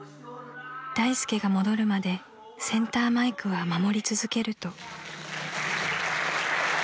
［大助が戻るまでセンターマイクは守り続けると］